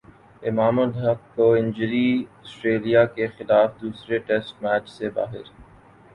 امام الحق کو injury Australia کے خلاف دوسرے ٹیسٹ میچ سے باہر